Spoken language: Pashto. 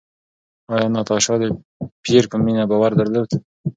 ایا ناتاشا د پییر په مینه باور درلود؟